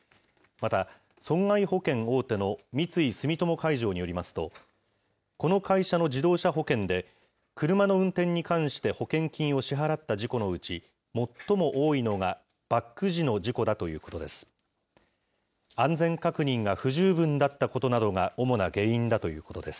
また、損害保険大手の三井住友海上によりますと、この会社の自動車保険で車の運転に関して保険金を支払った事故のうち、最も多いのがバック時の事故だということです。